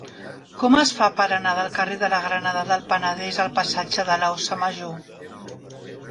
Com es fa per anar del carrer de la Granada del Penedès al passatge de l'Óssa Major?